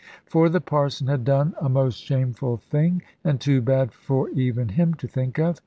For the Parson had done a most shameful thing, and too bad for even him to think of.